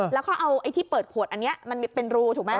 แล้วก็เอาไอ้ที่เปิดขวดอันนี้มันเป็นรูถูกไหม